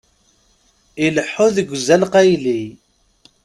Ileḥḥu deg uzal qayli.